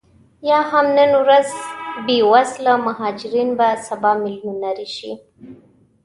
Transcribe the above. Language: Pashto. یا هم نن ورځ بې وزله مهاجرین به سبا میلیونرې شي